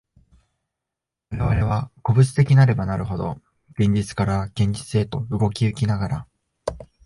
我々は個物的なればなるほど、現実から現実へと動き行きながら、